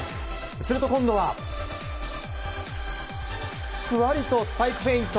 すると今度はふわりとスパイクフェイント。